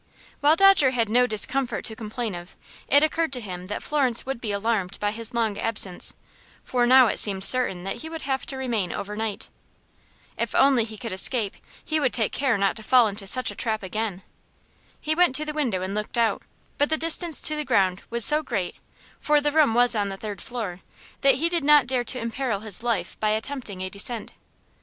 While Dodger had no discomfort to complain of, it occurred to him that Florence would be alarmed by his long absence, for now it seemed certain that he would have to remain overnight. If only he could escape he would take care not to fall into such a trap again. He went to the window and looked out, but the distance to the ground was so great for the room was on the third floor that he did not dare to imperil his life by attempting a descent.